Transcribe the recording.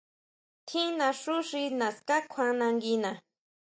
Tjín naxú xi naská kjuan nanguina.